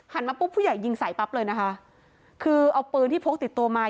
มาปุ๊บผู้ใหญ่ยิงใส่ปั๊บเลยนะคะคือเอาปืนที่พกติดตัวมา